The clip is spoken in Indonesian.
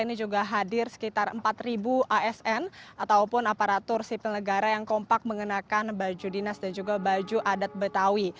ini juga hadir sekitar empat asn ataupun aparatur sipil negara yang kompak mengenakan baju dinas dan juga baju adat betawi